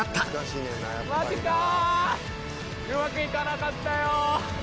うまく行かなかったよ！